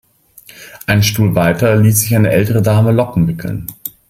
Einen Stuhl weiter ließ sich eine ältere Dame Locken wickeln.